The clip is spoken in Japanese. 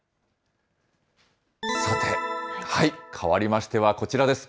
さて、変わりましてはこちらです。